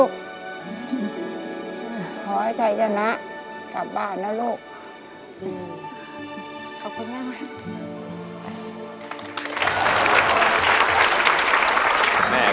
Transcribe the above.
ขอให้ชัยชนะกลับบ้านนะลูกขอบคุณมาก